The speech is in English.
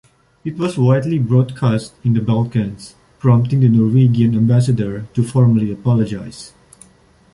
It was widely broadcast in the Balkans, prompting the Norwegian ambassador to formally apologize.